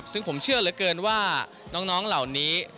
ซึ่งผมเชื่อเหลือเกินว่าน้องเหล่านี้